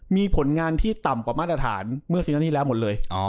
มีผลงานที่ต่ำกว่ามาตรฐานเมื่อซีนานี่แล้วหมดเลย